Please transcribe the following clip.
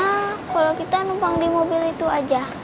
ya kalau kita numpang di mobil itu aja